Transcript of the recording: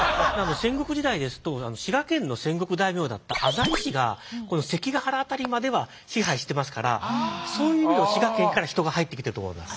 戦国時代ですと滋賀県の戦国大名だった浅井氏が関ケ原辺りまでは支配してますからそういう意味でも滋賀県から人が入ってきていると思います。